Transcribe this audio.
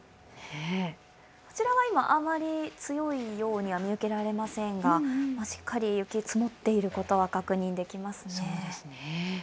こちらは今、あまり強いようには見受けられませんがしっかり雪、積もっていることは確認できますね。